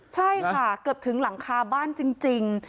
ใช่ค่ะเกือบถึงหลังคาบ้านจริง